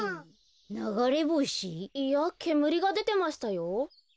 ながれぼし？いやけむりがでてましたよ。